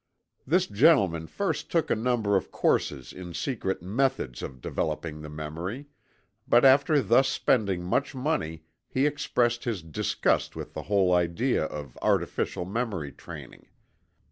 This gentleman first took a number of "courses" in secret "methods" of developing the memory; but after thus spending much money he expressed his disgust with the whole idea of artificial memory training.